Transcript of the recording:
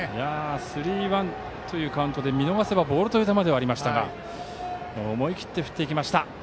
スリーワンというカウント見逃せばボールという球ではありましたが思い切って振っていきました。